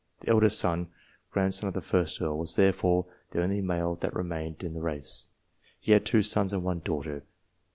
The eldest son (grandson of the 1st Earl) was therefore the only male that remained in the race. He had two sons and one daughter.